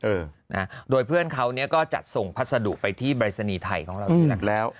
เออนะโดยเพื่อนเขาเนี่ยก็จัดส่งพัสดุไปที่ปรายศนีย์ไทยของเราอยู่แล้ว